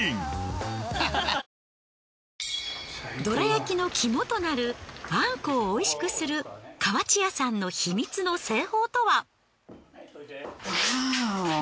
どら焼きの肝となるあんこを美味しくする河内屋さんの秘密の製法とは？